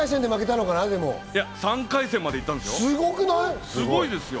３回戦まで行ったんですよ。